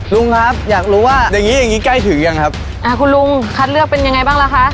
ลุงครับอยากรู้ว่าอย่างงี้อย่างงี้ใกล้ถึงยังครับอ่าคุณลุงคัดเลือกเป็นยังไงบ้างล่ะคะ